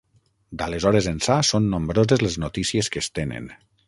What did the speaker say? D'aleshores ençà són nombroses les notícies que es tenen.